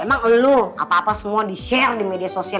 emang lo apa apa semua di share di media sosial